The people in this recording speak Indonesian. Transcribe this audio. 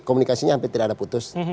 komunikasinya hampir tidak ada putus